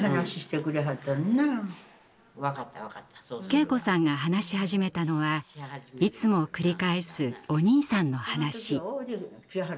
敬子さんが話し始めたのはいつも繰り返すお兄さんの話。